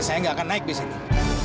saya gak akan naik disini